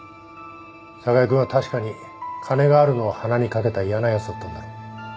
寒河江君は確かに金があるのを鼻に掛けた嫌なやつだったんだろ。